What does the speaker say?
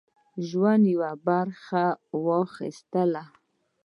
ژوند یوه برخه یې واخیستله.